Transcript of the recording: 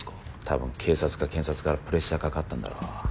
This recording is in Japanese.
多分警察か検察からプレッシャーかかったんだろう。